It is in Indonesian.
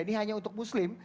ini hanya untuk muslim